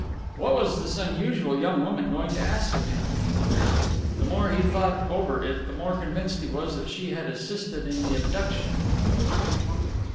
What was this unusual young woman going to ask of him? He wondered. The more he thought over it the more convinced he was that she had assisted in the abduction.